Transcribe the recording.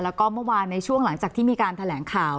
แล้วก็เมื่อวานในช่วงหลังจากที่มีการแถลงข่าว